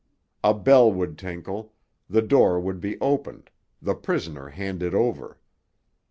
A bell would tinkle, the door would be opened, the prisoner handed over.